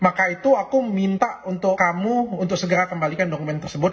maka itu aku minta untuk kamu untuk segera kembalikan dokumen tersebut